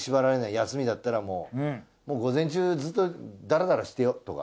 休みだったら午前中ずっとダラダラしてようとか。